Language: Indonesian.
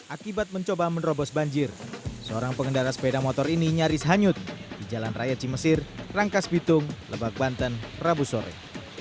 akibat mencoba menerobos banjir seorang pengendara sepeda motor ini nyaris hanyut di jalan raya cimesir rangkas bitung lebak banten rabu sore